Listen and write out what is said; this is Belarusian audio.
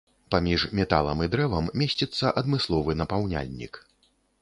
Паміж металам і дрэвам месціцца адмысловы напаўняльнік.